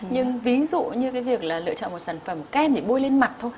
nhưng ví dụ như cái việc là lựa chọn một sản phẩm kem để bôi lên mặt thôi